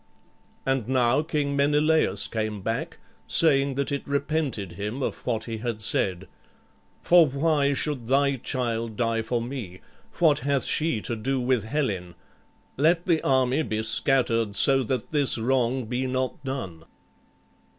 And now King Menelaüs came back, saying that it repented him of what he had said, "For why should thy child die for me? What hath she to do with Helen? Let the army be scattered, so that this wrong be not done."